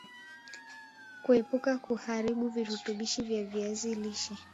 Kuepuka kuharibu virutubishi vya viazi lishe